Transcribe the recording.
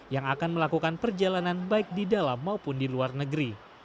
yang akan melakukan perjalanan baik di dalam maupun di luar negeri